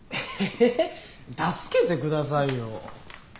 助けてくださいよ。